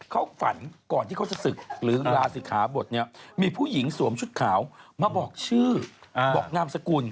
เขาฝันก่อนที่เขาจะศึกหรือลาศิกขาบทเนี่ยมีผู้หญิงสวมชุดขาวมาบอกชื่อบอกนามสกุล